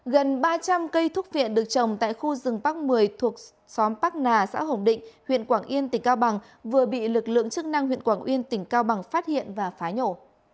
gần ba trăm linh cây thúc phiện được trồng tại khu rừng bắc mười thuộc xóm bắc nà xã hồng định huyện quảng yên tỉnh cao bằng vừa bị lực lượng chức năng huyện quảng yên tỉnh cao bằng phát hiện và phá nhổ